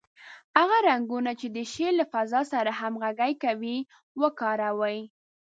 هغه رنګونه چې د شعر له فضا سره همغږي کوي، وکاروئ.